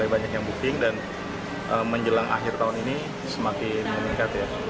banyak yang booking dan menjelang akhir tahun ini semakin meningkat ya